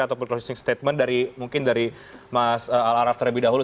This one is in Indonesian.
ataupun closing statement dari mungkin dari mas al araf terlebih dahulu